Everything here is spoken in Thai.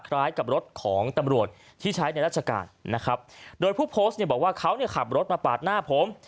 คล้ายกับรถของตำรวจที่ใช้ในราชการนะครับโดยผู้โพสต์เนี่ยบอกว่าเขาเนี่ยขับรถมาปาดหน้าผม